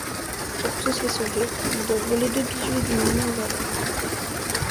Pour tous les sauver, il doit voler deux bijoux d'une immense valeur.